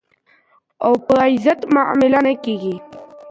او په عزت معامله نه کېږي.